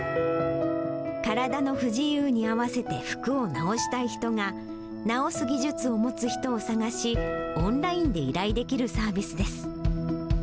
体の不自由に合わせて服を直したい人が、直す技術を持つ人を探し、オンラインで依頼できるサービスです。